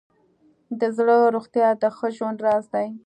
د زړه روغتیا د ښه ژوند راز دی.